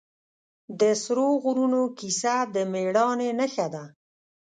د سرو غرونو کیسه د مېړانې نښه ده.